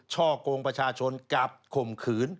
ช่อกงประชาชนกับข่มขืน